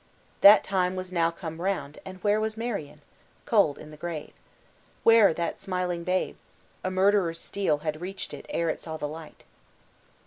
That time was now come round, and where was Marion? cold in the grave. Where that smiling babe? a murderer's steel had reached it ere it saw the light.